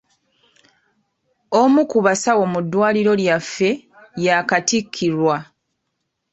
Omu ku basawo mu ddwaliro lyaffe yaakatikkirwa.